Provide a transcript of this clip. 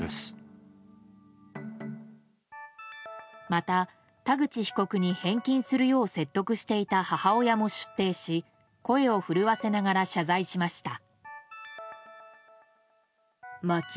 また、田口被告に返金するよう説得していた母親も出廷し声を震わせながら謝罪しました。